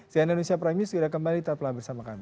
si annalisia prime news sudah kembali terpelan bersama kami